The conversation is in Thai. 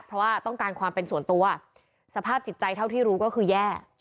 เพราะว่าต้องการความเป็นส่วนตัวสภาพจิตใจเท่าที่รู้ก็คือแย่